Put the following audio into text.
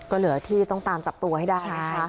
ก็เหลือที่ต้องตามจับตัวให้ได้นะคะ